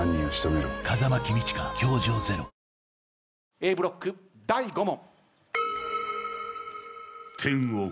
Ａブロック第５問。